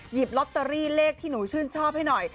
ลอตเตอรี่เลขที่หนูชื่นชอบให้หน่อย